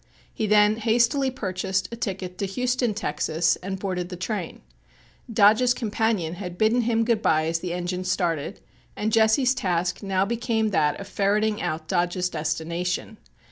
He then hastily purchased a ticket to Houston, Texas, and boarded the train. Dodge's companion had bidden him good by as the engine started, and Jesse's task now became that of ferreting out Dodge's destination.